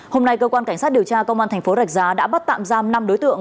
hôm nay cơ quan cảnh sát điều tra công an thành phố rạch giá đã bắt tạm giam năm đối tượng